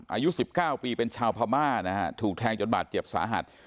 อายุ๑๙ปีเป็นชาวพม่านะฮะถูกแทงจนบาดเจ็บสาหัส